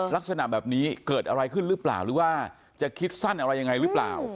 ลักษณะแบบนี้เกิดอะไรขึ้นหรือเปล่าหรือว่าจะคิดสั้นอะไรยังไงหรือเปล่า